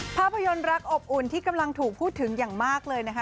ภาพยนตร์รักอบอุ่นที่กำลังถูกพูดถึงอย่างมากเลยนะคะ